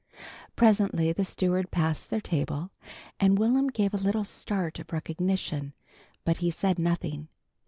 Presently the steward passed their table, and Will'm gave a little start of recognition, but he said nothing.